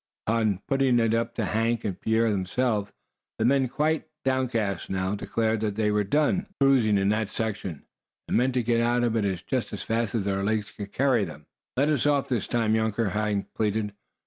Upon putting it up to Hank and Pierre themselves, the men, quite downcast now, declared that they were done "cruising" in that section, and meant to get out of it just as fast as their legs could carry them. "Let us off this time, younker," Hank pleaded.